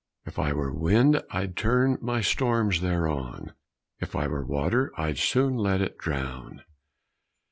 If I were wind I'd turn my storms thereon, If I were water I'd soon let it drown.